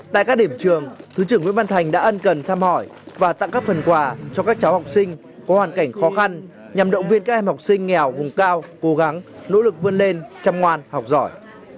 tại các điểm trường thứ trưởng nguyễn văn thành đã ân cần thăm hỏi và tặng các phần quà cho các cháu học sinh có hoàn cảnh khó khăn nhằm động viên các em học sinh nghèo vùng cao cố gắng nỗ lực vươn lên chăm ngoan học giỏi